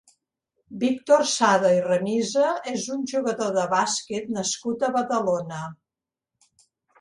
Víctor Sada i Remisa és un jugador de bàsquet nascut a Badalona.